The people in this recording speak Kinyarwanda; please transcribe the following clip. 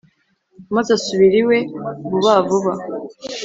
maze asubira iwe vuba vuba.